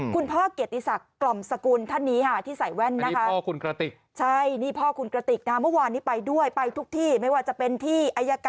คุณพ่อเกียรติศักดิ์กล่อมสกุลท่านนี้ที่ใส่แว่นนะคะ